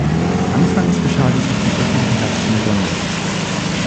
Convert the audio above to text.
Anfangs geschah dies auf dem öffentlichen Platz von Gonder.